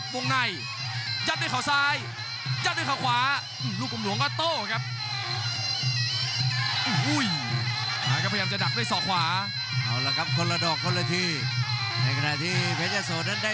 วงในยัดด้วยเข่าซ้ายยัดด้วยเข่าขวา